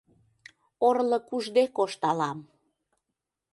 Орлык ужде кошталам.